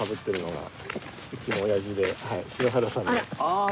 ああ